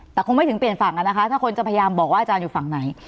แต่คงไม่ถึงเปลี่ยนฝั่งอะนะคะถ้าคนจะพยายามบอกว่าอาจารย์อยู่ฝั่งไหน